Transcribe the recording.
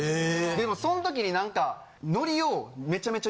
でもそん時に何か。